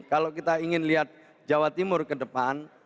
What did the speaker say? kalau kita ingin lihat jawa timur ke depan